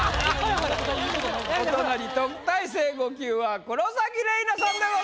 お隣特待生５級は黒崎レイナさんでございます。